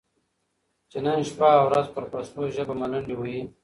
چې نن شپه او ورځ پر پښتو ژبه ملنډې وهي،